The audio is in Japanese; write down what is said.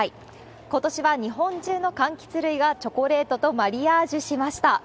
ことしは日本中のかんきつ類がチョコレートとマリアージュしました。